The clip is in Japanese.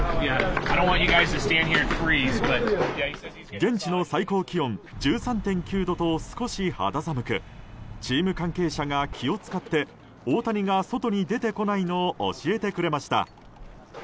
現地の最高気温１３．９度と少し肌寒くチーム関係者が気を使って大谷が外に出てこないのを教えてくれました。